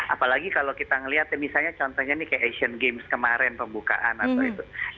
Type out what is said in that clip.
apalagi kalau kita melihat misalnya contohnya nih kayak asian games kemarin pembukaan atau itu